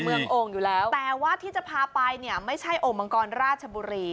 โอ่งอยู่แล้วแต่ว่าที่จะพาไปเนี่ยไม่ใช่โอ่งมังกรราชบุรี